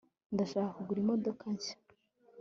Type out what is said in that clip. ndashaka kugura imodoka nshya